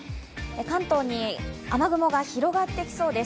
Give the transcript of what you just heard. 関東に雨雲が広がってきそうです。